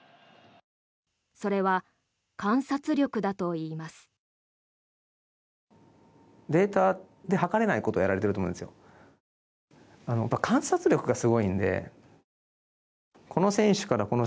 それは、観察力だといいます。